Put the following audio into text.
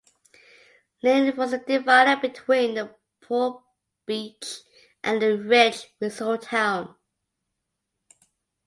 Lynn was the divider between the poor beach and the rich resort town.